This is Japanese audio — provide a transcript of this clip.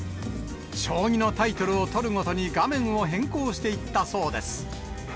将棋のタイトルを取るごとに画面を変更していったそうです。